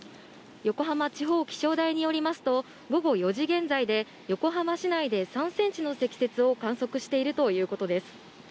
横浜地方気象台によりますと、午後４時現在で、横浜市内で３センチの積雪を観測しているということです。